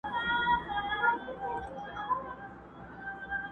بس یو زه یم یو دېوان دی د ویرژلو غزلونو،